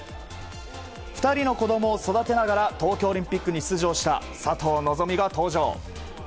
２人の子供を育てながら東京オリンピックに出場した佐藤希望が登場。